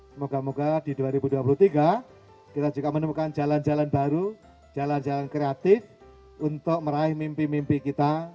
semoga moga di dua ribu dua puluh tiga kita juga menemukan jalan jalan baru jalan jalan kreatif untuk meraih mimpi mimpi kita